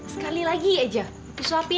sekali lagi aja opi suapin